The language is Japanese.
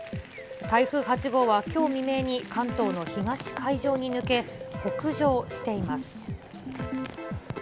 台風８号はきょう未明に関東の東海上に抜け、北上しています。